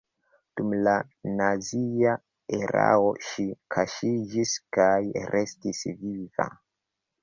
Dum la nazia erao ŝi kaŝiĝis kaj restis viva.